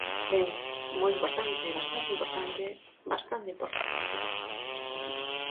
Ben, moi importante, é bastante importante, bastante importante, si.